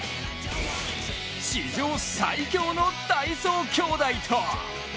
史上最強の体操兄弟と。